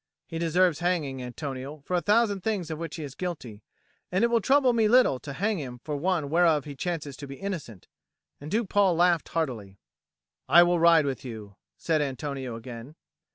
He deserves hanging, Antonio, for a thousand things of which he is guilty, and it will trouble me little to hang him for one whereof he chances to be innocent." And Duke Paul laughed heartily. "I will ride with you," said Antonio again.